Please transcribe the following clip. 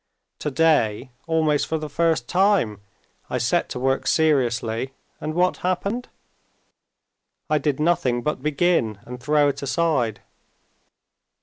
Today, almost for the first time, I set to work seriously, and what happened? I did nothing but begin and throw it aside.